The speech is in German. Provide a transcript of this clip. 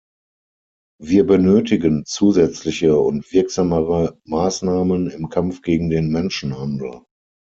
Wir benötigen zusätzliche und wirksamere Maßnahmen im Kampf gegen den Menschenhandel.